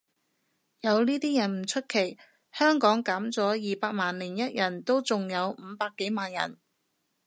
有呢啲人唔出奇，香港減咗二百萬零一人都仲有五百幾萬人